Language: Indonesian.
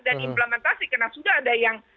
dan implementasi karena sudah ada yang